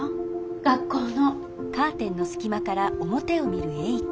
学校の。